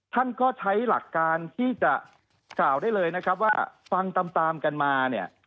ท่านก็ใช้หลักการที่จะกล่าวได้เลยนะครับว่าฟังตามกันมาเนี่ย